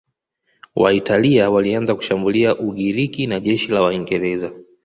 Waitalia walianza kushambulia Ugiriki na jeshi la Waingereza